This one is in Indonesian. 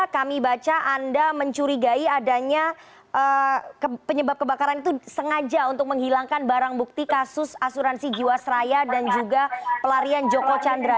kami baca anda mencurigai adanya penyebab kebakaran itu sengaja untuk menghilangkan barang bukti kasus asuransi jiwasraya dan juga pelarian joko chandra